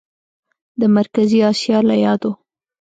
د مرکزي اسیا له یادو